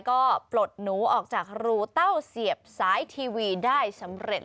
ก็ปลดหนูออกจากรูเต้าเสียบสายทีวีได้สำเร็จ